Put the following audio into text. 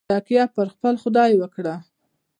تکیه پر خپل خدای وکړه.